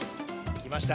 来ました。